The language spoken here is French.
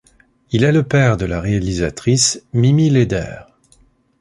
Il est le père de la réalisatrice Mimi Leder.